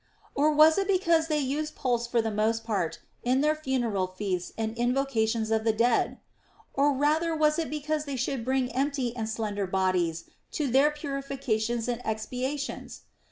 Or was it because they used pulse for the most part in their funeral feasts and invocations of the dead ? Or rather was it because they should bring empty and slender bodies to their purifications and expiations